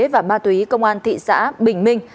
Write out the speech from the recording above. và ma túy công an thị xã bình minh